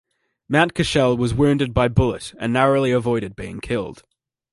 Mountcashel was wounded by bullet and narrowly avoided being killed.